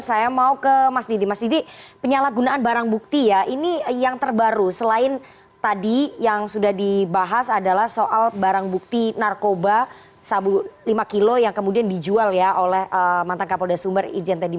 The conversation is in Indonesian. saya mau ke mas didi mas didi penyalahgunaan barang bukti ya ini yang terbaru selain tadi yang sudah dibahas adalah soal barang bukti narkoba sabu lima kilo yang kemudian dijual ya oleh mantan kapolda sumber ijen teddy